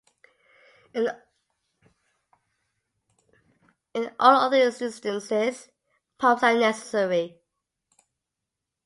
In all other instances, pumps are necessary.